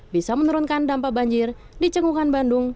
bisa menurunkan dampak banjir di cengkuhan bandung